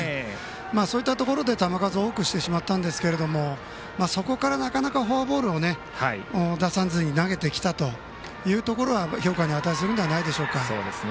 そういったところで球数多くしてしまったんですがそこからなかなかフォアボールを出さずに投げてきたというところは評価に値するんじゃないでしょうか。